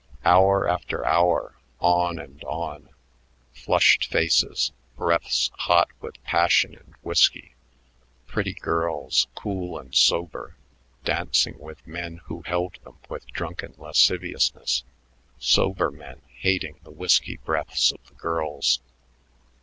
Hour after hour on and on. Flushed faces, breaths hot with passion and whisky.... Pretty girls, cool and sober, dancing with men who held them with drunken lasciviousness; sober men hating the whisky breaths of the girls....